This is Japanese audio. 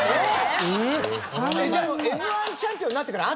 じゃあもうＭ−１チャンピオンになってから。